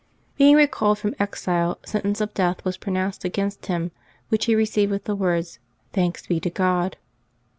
Being recalled from exile, sentence of death was pronounced against him, which he received with the words " Thanks be to God."